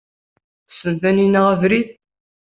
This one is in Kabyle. Tessen Taninna abrid?